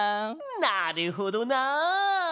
なるほどなあ。